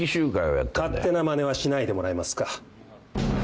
勝手なまねはしないでもらえますか。